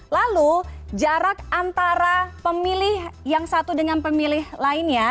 lalu jarak antara pemilih yang satu dengan pemilih lainnya